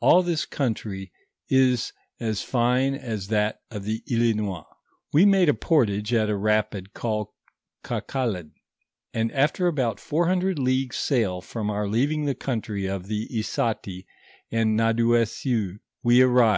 All this country is as fine as that of the Islinois. ','.•• We made a portage at a rapid called Kakalin, and after about four hundred leagues sail from our leaving the country of the Issati, and Nadouessiouz, we arrive!